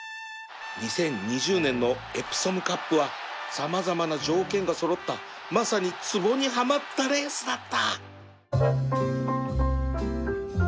２０２０年のエプソムカップは様々な条件が揃ったまさにつぼにはまったレースだった